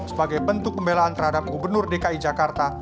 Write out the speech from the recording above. sebagai bentuk pembelaan terhadap gubernur dki jakarta